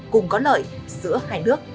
cùng có lợi giữa hai nước